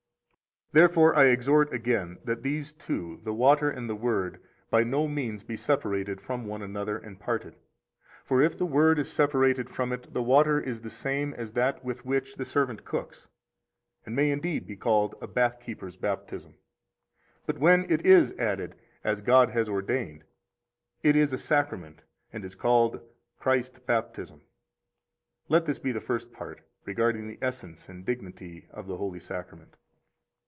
22 Therefore I exhort again that these two, the water and the Word, by no means be separated from one another and parted. For if the Word is separated from it, the water is the same as that with which the servant cooks, and may indeed be called a bath keeper's baptism. But when it is added, as God has ordained, it is a Sacrament, and is called Christ baptism. Let this be the first part, regarding the essence and dignity of the holy Sacrament.